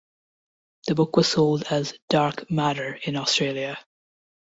The book was sold as "Dark Matter" in Australia.